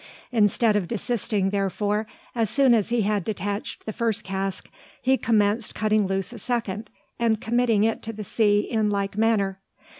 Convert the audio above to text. Instead of desisting therefore, as soon as he had detached the first cask, he commenced cutting loose a second, and committing it to the sea in like manner.